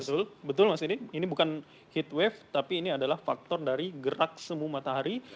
betul betul mas ini ini bukan heatwave tapi ini adalah faktor dari gerak semu matahari